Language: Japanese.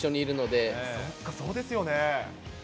そっか、そうですよね。